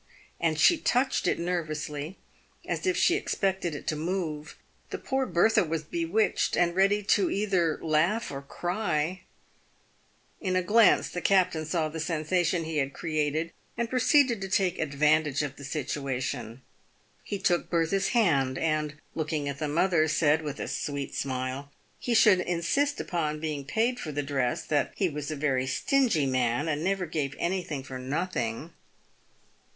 and she touched it nervously, as if she expected it to move. The poor Bertha was bewitched, and ready either to cry or laugh. In a glance the captain saw the sensation he had created, and proceeded to take advantage of the situation. He took Bertha's hand, and, looking at the mother, said, with a sweet smile, he should insist upon being paid for the dress — that he was a very stingy man, and never gave anything for nothing.